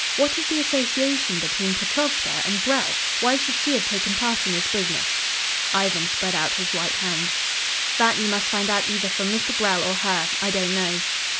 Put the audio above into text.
"What is the association between Petrovska and Grell? Why should she have taken part in this business?" Ivan spread out his white hands. "That you must find out either from Mr. Grell or her. I don't know."